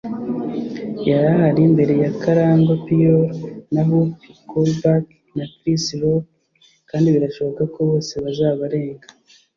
Yari ahari mbere ya Karangwa Pryor, na Whoopi Goldberg na Chris Rock kandi birashoboka ko bose bazabarenga.